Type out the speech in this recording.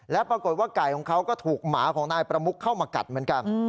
และปรากฏว่าไก่ของเขาก็ถูกหมาของนายประมุกเข้ามากัดเหมือนกัน